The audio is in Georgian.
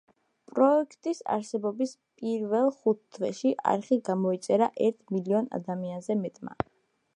პროექტის არსებობის პირველ ხუთ თვეში, არხი გამოიწერა ერთ მილიონ ადამიანზე მეტმა.